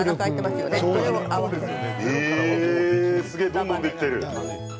すげえ、どんどんできてる。